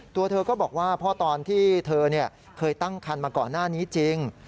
ตัวเธอก็บอกว่าเพราะตอนที่เธอเคยตั้งคันมาก่อนหน้านี้จริง